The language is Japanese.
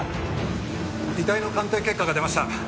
遺体の鑑定結果が出ました。